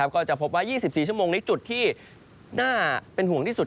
ก็จะพบว่า๒๔ชั่วโมงนี้จุดที่น่าเป็นห่วงที่สุด